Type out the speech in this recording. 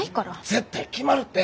絶対決まるって！